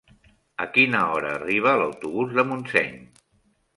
A quina hora arriba l'autobús de Montseny?